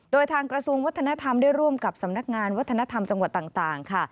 โดยทางกระทรวงวัฒนธรรมได้ร่วมกับสำนักงานวัฒนธรรมจังหวัดต่างค่ะ